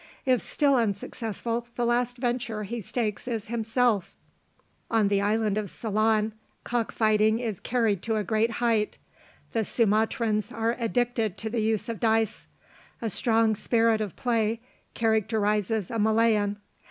If still unsuccessful, the last venture he stakes is himself. In the Island of Ceylon, cock fighting is carried to a great height. The Sumatrans are addicted to the use of dice. A strong spirit of play characterises a Malayan.